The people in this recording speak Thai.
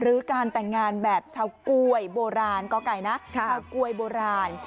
การแต่งงานแบบชาวกล้วยโบราณกไก่นะชาวกล้วยโบราณ